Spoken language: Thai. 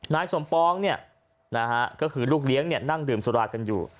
นายสมปองเนี่ยก็คือลูกเลี้ยงเนี่ยนั่งดื่มสุราคมกันอยู่